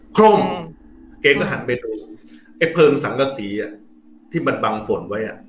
โคร่มแกก็หันไปดูไอ้เพลิงสังกษีอ่ะที่มันบังฝนไว้อ่ะ